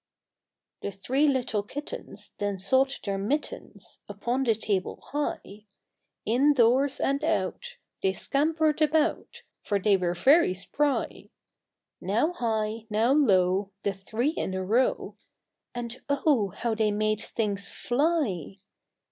The three little kittens Then sought their mittens Upon the table high ; In doors and out They scampered about, For they were very spry; Now high, now low, The three in a row, And oh ! how they made things fly